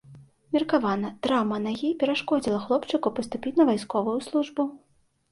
Меркавана, траўма нагі перашкодзіла хлопчыку паступіць на вайсковую службу.